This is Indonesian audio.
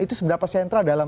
itu seberapa sentral dalam